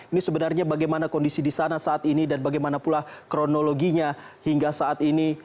ini sebenarnya bagaimana kondisi di sana saat ini dan bagaimana pula kronologinya hingga saat ini